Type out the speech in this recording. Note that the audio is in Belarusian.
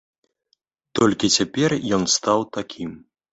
Толькі цяпер ён стаў такім.